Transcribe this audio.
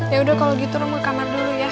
ya udah kalau gitu rum ke kamar dulu ya